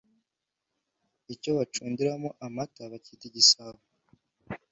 Icyo bacundiramo amata bacyita Igisabo